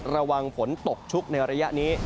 ระวังฝนตกชุกในระยะนี้